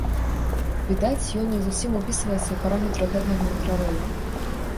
Відаць, ён не зусім упісваецца ў параметры гэтага мікрараёна.